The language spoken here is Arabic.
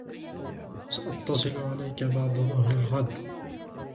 سأتصل عليك بعد ظهر الغد.